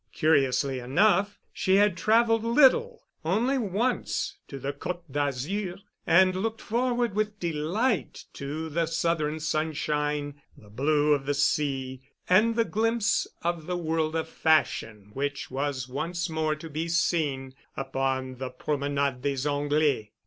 Curiously enough, she had traveled little—only once to the Côte d'Azur, and looked forward with delight to the southern sunshine, the blue of the sea, and the glimpse of the world of fashion which was once more to be seen upon the Promenade des Anglais.